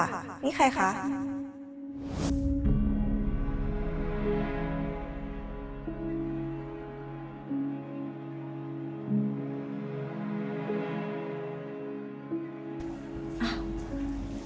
อ้าววันนี้ไม่ได้ไปทำงานเหรอลูก